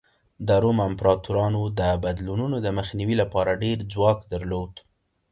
د روم امپراتورانو د بدلونونو د مخنیوي لپاره ډېر ځواک درلود